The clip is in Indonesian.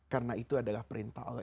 karena itu adalah perintah allah